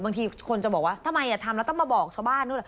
บางทีคนจะบอกว่าทำไมทำแล้วต้องมาบอกชาวบ้านนู่น